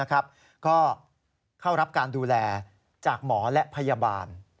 ก็เข้ารับการดูแลจากหมอและพยาบาล